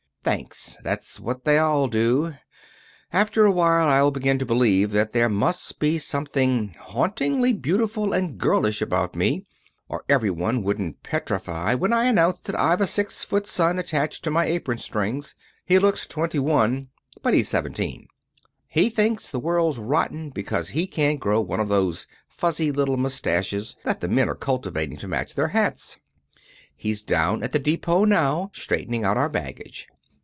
"Thanks. That's what they all do. After a while I'll begin to believe that there must be something hauntingly beautiful and girlish about me or every one wouldn't petrify when I announce that I've a six foot son attached to my apron strings. He looks twenty one, but he's seventeen. He thinks the world's rotten because he can't grow one of those fuzzy little mustaches that the men are cultivating to match their hats. He's down at the depot now, straightening out our baggage.